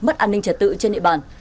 mất an ninh trật tự trên địa bàn